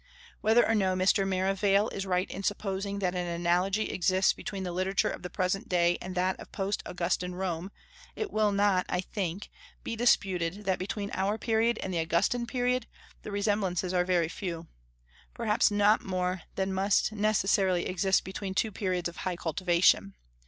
Whether or no Mr. Merivale is right in supposing that an analogy exists between the literature of the present day and that of post Augustan Rome, it will not, I think, be disputed that between our period and the Augustan period the resemblances are very few, perhaps not more than must necessarily exist between two periods of high cultivation.